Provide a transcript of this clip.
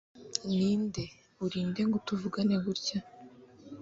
Ninde uri nde ngo tuvugane gutya